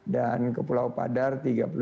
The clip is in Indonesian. dan ke pulau padar tiga puluh sembilan